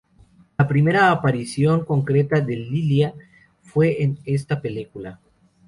La primera aparición concreta de Lilia fue en esta película.